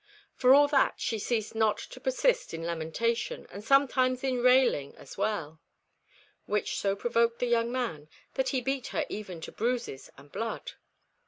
For all that, she ceased not to persist in lamentation, and sometimes in railing as well; which so provoked the young man that he beat her even to bruises and blood.